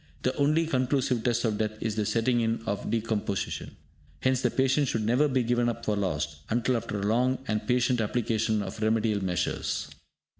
The only conclusive test of death is the setting in of decomposition. Hence the patient should never be given up for lost, until after a long and patient application of remedial measures.